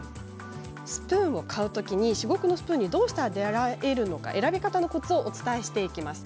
スプーンを買う時に至極のスプーンにどうしたら出会えるのか選び方のコツをお伝えしていきます。